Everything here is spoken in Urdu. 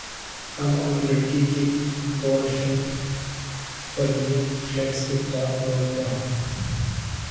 کم عمر لڑکی کی بولڈ فلم پر نیٹ فلیکس کے خلاف لوگ برہم